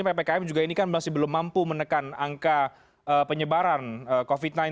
ppkm juga ini kan masih belum mampu menekan angka penyebaran covid sembilan belas